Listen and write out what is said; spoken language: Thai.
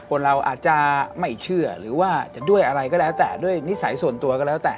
คนเราอาจจะไม่เชื่อหรือว่าจะด้วยอะไรก็แล้วแต่ด้วยนิสัยส่วนตัวก็แล้วแต่